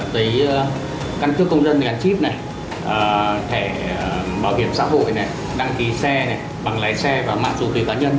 tầy căn cước công dân tầy căn chip này tẻ bảo hiểm xã hội này đăng ký xe này bằng lái xe và mạng dù khí cá nhân